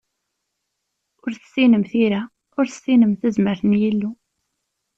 Ur tessinem tira, ur tessinem tazmert n Yillu.